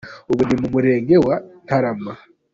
Ubu ni mu murenge wa Ntarama.